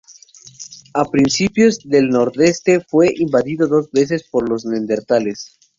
A principios del el Nordeste fue invadido dos veces por los neerlandeses.